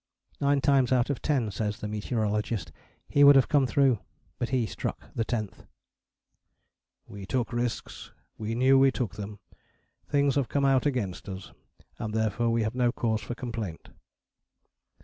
Nine times out of ten, says the meteorologist, he would have come through: but he struck the tenth. "We took risks, we knew we took them; things have come out against us, and therefore we have no cause for complaint."